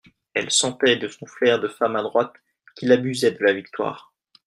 Elle sentait, de son flair de femme adroite, qu'il abusait de la victoire.